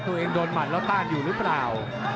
โดนหมัดแล้วต้านอยู่หรือเปล่า